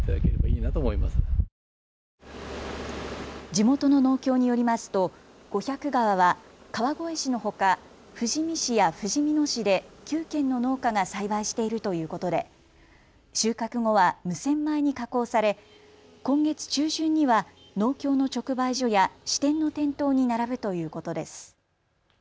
地元の農協によりますと五百川は川越市のほか富士見市やふじみ野市で９軒の農家が栽培しているということで収穫後は無洗米に加工され今月中旬には農協の直売所や支店の店頭に並ぶということです。